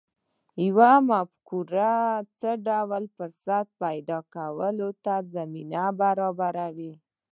يوې مفکورې څه ډول فرصت پيدا کولو ته زمينه برابره کړه؟